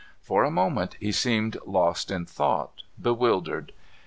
For a moment he seemed lost in thought, bewildered.